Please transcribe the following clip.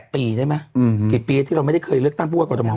ปีได้ไหมกี่ปีที่เราไม่ได้เคยเลือกตั้งผู้ว่ากรทม